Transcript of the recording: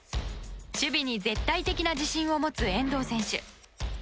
守備に絶対的な自信を持つ遠藤選手。